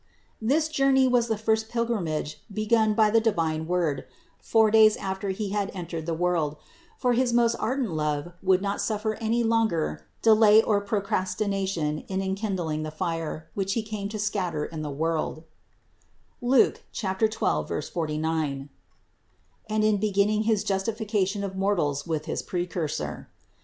206. This journey was the first pilgrimage begun by the divine Word, four days after He had entered the world; for his most ardent love would not suffer any longer delay or procrastination in enkindling the fire, which He came to scatter in the world (Luke 12, 49), and in beginning his justification of mortals with his Precursor.